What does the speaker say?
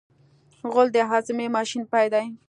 غول د هاضمې ماشین پای دی.